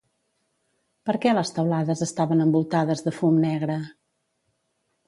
Per què les teulades estaven envoltades de fum negre?